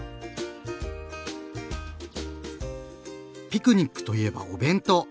ピクニックといえばお弁当！